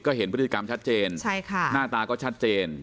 ก็เห็นพฤติกรรมชัดเจนหน้าตาก็ชัดเจน